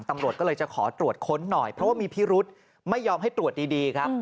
ตำรวจก็เลยจะขอตรวจค้นหน่อยเพราะว่ามีพิรุธไม่ยอมให้ตรวจดีครับ